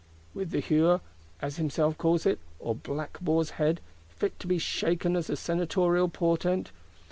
With the hure, as himself calls it, or black boar's head, fit to be "shaken" as a senatorial portent?